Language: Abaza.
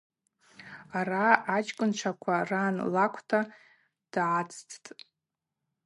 Араъа ачкӏвынчваква ран лакӏвта дгӏацӏцӏтӏ.